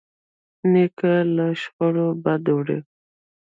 نیکه له شخړو بد وړي.